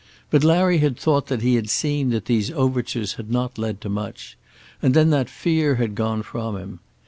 But Larry had thought that he had seen that these overtures had not led to much, and then that fear had gone from him.